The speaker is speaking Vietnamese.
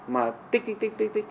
mà tích tích tích tích tích